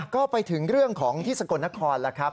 ก็ไปถึงเรื่องของที่สกลนครแล้วครับ